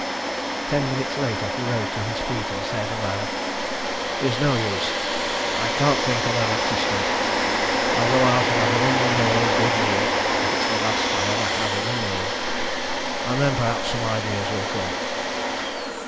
Ten minutes later he rose to his feet and said aloud "It's no use. I can't think on an empty stomach. I'll go out and have one more good meal if it's the last I ever have in the world, and then perhaps some ideas will come."